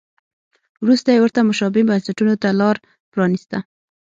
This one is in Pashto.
وروسته یې ورته مشابه بنسټونو ته لار پرانیسته.